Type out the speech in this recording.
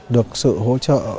được sự hỗ trợ